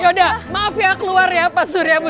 yaudah maaf ya keluar ya pasuryanya